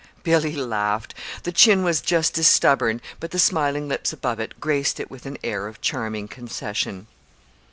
Billy laughed. The chin was just as stubborn, but the smiling lips above it graced it with an air of charming concession.